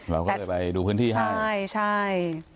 เพื่อไปดูพื้นที่ให้